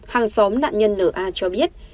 hàng xóm nạn nhân n a cho biết